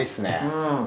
うん。